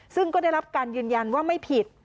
ซึ่งก็ได้รับการยืนยันว่าไม่ผิด